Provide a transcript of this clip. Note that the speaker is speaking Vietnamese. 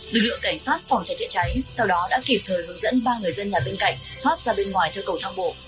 lực lượng cảnh sát phòng cháy chữa cháy sau đó đã kịp thời hướng dẫn ba người dân nhà bên cạnh thoát ra bên ngoài theo cầu thang bộ